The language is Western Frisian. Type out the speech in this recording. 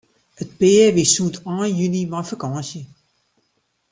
It pear wie sûnt ein juny mei fakânsje.